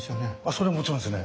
それはもちろんですよね。